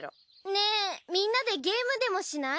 ねぇみんなでゲームでもしない？